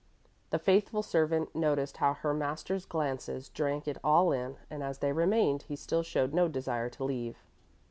The faithful servant noticed how her master's glances drank it all in and as they remained he still showed no desire to leave.